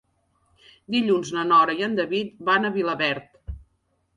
Dilluns na Nora i en David van a Vilaverd.